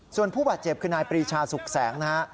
ส่วนผู้บาดเจ็บคือนายปรีชาสุขแสงนะฮะ